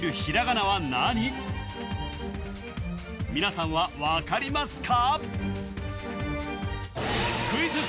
皆さんは分かりますか？